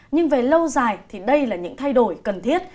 nhưng về lâu dài thì đây là những thay đổi cần thiết